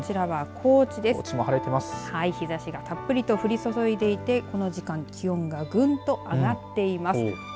はい、日ざしがたっぷりと降り注いでいてこの時間気温がぐんと上がっています。